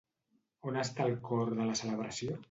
On està el cor de la celebració?